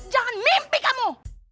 jangan mimpi kamu